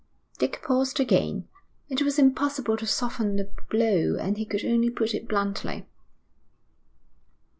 Dick paused again. It was impossible to soften the blow, and he could only put it bluntly.